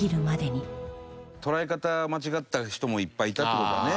捉え方を間違った人もいっぱいいたって事だね。